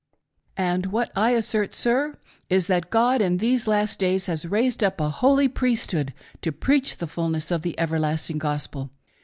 M. : And what I assert, sir, is, that God in these last days has raised up a holy priesthood to preach the fulness of the everlasting Gospel.